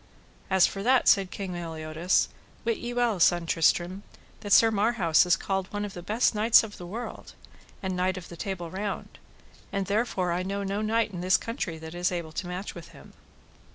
As for that, said King Meliodas, wit you well, son Tristram, that Sir Marhaus is called one of the best knights of the world, and Knight of the Table Round; and therefore I know no knight in this country that is able to match with him.